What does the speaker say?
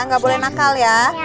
gak boleh nakal ya